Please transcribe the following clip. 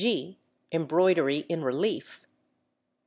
(g) Embroidery in relief.